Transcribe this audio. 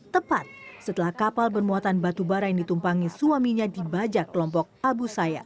tepat setelah kapal bermuatan batu bara yang ditumpangi suaminya dibajak kelompok abu sayyaf